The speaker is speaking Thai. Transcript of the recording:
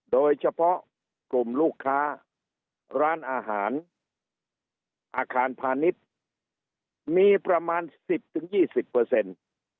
โดยเฉพาะกลุ่มลูกค้าร้านอาหารอาคารพาณิชย์มีประมาณสิบถึงยี่สิบเปอร์เซ็นต์